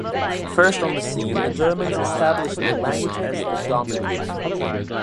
First on the scene, the Germans established their language as the dominant language.